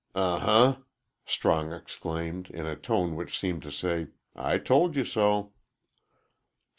"Uh huh!" Strong exclaimed, in a tone which seemed to say, "I told you so."